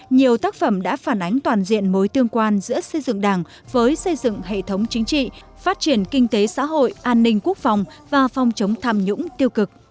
nhiều tác phẩm đã phản ánh toàn diện mối tương quan giữa xây dựng đảng với xây dựng hệ thống chính trị phát triển kinh tế xã hội an ninh quốc phòng và phòng chống tham nhũng tiêu cực